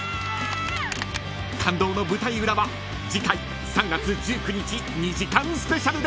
［感動の舞台裏は次回３月１９日２時間スペシャルで！］